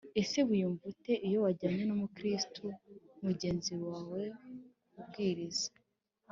ese wiyumva ute iyo wajyanye n Umukristo mugenzi wawe kubwiriza